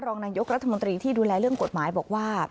รองนายกรัฐมนตรีที่ดูแลเรื่องกฎหมายบอกว่า